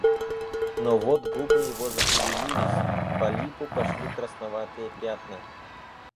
Но вот губы его зашевелились, по липу пошли красноватые пятна.